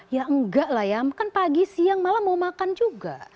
ya enggak lah ya kan pagi siang malam mau makan juga